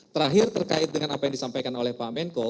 terakhir terkait dengan apa yang disampaikan oleh pak menko